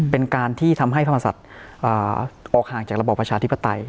เป็นการที่ทำให้พระมศัตริย์ออกห่างจากระบอบประชาธิปไตย